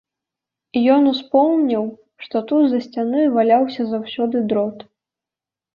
Ён успомніў, што тут за сцяной валяўся заўсёды дрот.